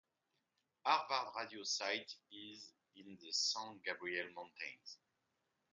Harvard Radio Site in the San Gabriel mountains.